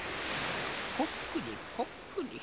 こっくりこっくり。